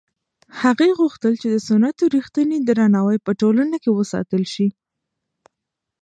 هغې غوښتل چې د سنتو رښتینی درناوی په ټولنه کې وساتل شي.